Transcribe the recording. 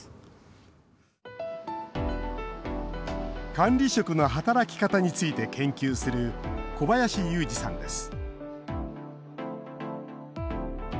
管理職の働き方について研究する小林祐児さんです